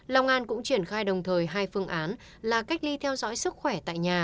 long an cũng triển khai đồng thời hai phương án là cách ly theo dõi sức khỏe tại nhà